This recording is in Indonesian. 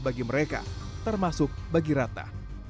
bagi mereka termasuk bagi ratna